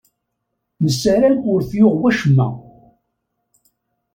Nessaram ur t-yuɣ wacemma.